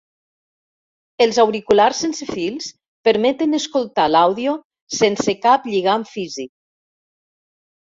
Els auriculars sense fils permeten escoltar l'àudio sense cap lligam físic.